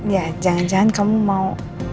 ya jangan jangan kamu mau